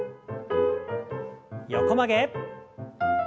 横曲げ。